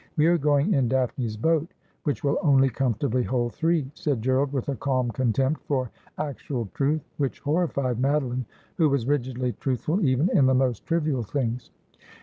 We are going in Daphne's boat, which will only comfortably hold three,' said Gerald, with a calm contempt for actual truth which horrified Madeline, who was rigidly truthful even in the most trivial things.